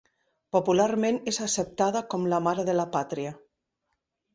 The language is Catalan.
Popularment és acceptada com la mare de la pàtria.